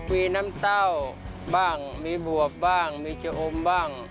มีน้ำเต้าบ้างมีบวบบ้างมีจะอมบ้าง